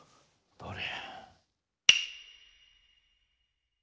どれ？